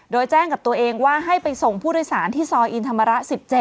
โดยแจ้งกับตัวเองว่าให้ไปส่งผู้โดยสารที่ซอยอินธรรมระ๑๗